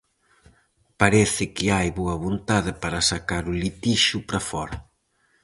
Parece que hai boa vontade para sacar o litixio para fóra.